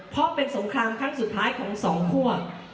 เพราะเป็นสงครามครั้งสุดท้ายของสองคั่ว